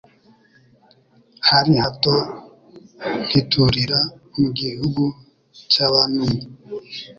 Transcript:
hari hato nkiturira mu gihugu cy’abanumye